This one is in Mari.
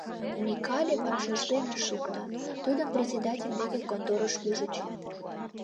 Микале вашештен ыш шукто, тудым председатель деке конторыш ӱжыч.